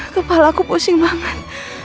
kepalaku pusing banget